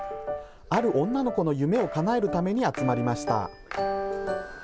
ある女の子の夢をかなえるために集まりました。